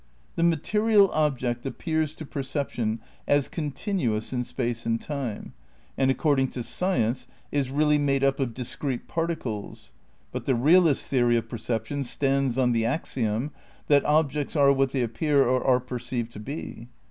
The material object appears to perception as contin uous in space and time, and according to science is really made up of discrete particles. But the realist theory of perception stands on the axiom that objects are what they appear or are perceived to be.